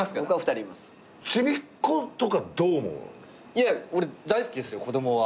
いや俺大好きっすよ子供は。